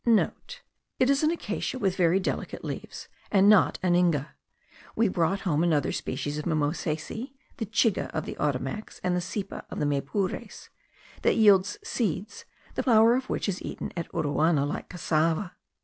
(* It is an acacia with very delicate leaves, and not an Inga. We brought home another species of mimosacea (the chiga of the Ottomacs and the sepa of the Maypures) that yields seeds, the flour of which is eaten at Uruana like cassava.